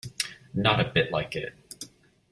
Not a bit like it.